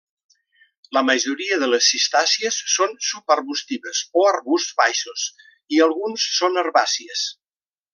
La majoria de les cistàcies són subarbustives o arbusts baixos i algunes són herbàcies.